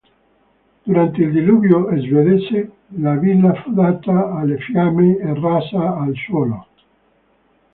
Durante il Diluvio Svedese la villa fu data alle fiamme e rasa al suolo.